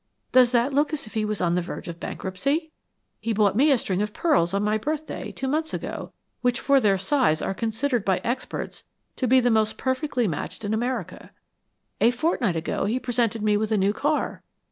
Does that look as if he was on the verge of bankruptcy? He bought me a string of pearls on my birthday, two months ago, which for their size are considered by experts to be the most perfectly matched in America. A fortnight ago, he presented me with a new car.